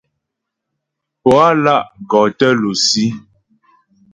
Pǒ á lá' gɔ tə lusí.